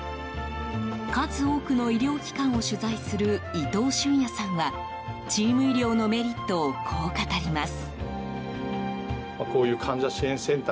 数多くの医療機関を取材する伊藤隼也さんはチーム医療のメリットをこう語ります。